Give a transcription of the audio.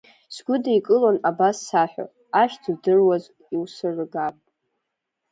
Сгәыдикылон абас саҳәо, ахьӡ удыруаз иусыргап!